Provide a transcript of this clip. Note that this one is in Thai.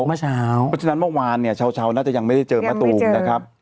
เพราะฉะนั้นเมื่อวานเนี่ยเช้าน่าจะยังไม่ได้เจอมะตูมนะครับ